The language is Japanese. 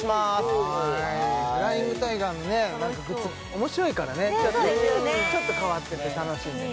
はいフライングタイガーのグッズおもしろいからねちょっと変わってて楽しいんでね